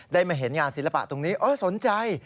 มาเห็นงานศิลปะตรงนี้สนใจ